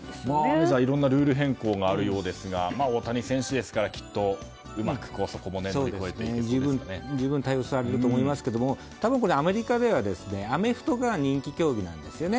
メジャーはいろんなルール変更があるようですが大谷選手ですからきっとうまくそこも対応されると思いますがアメリカではアメフトが人気競技なんですよね。